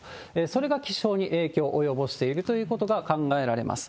それが気象に影響を及ぼしているということが考えられます。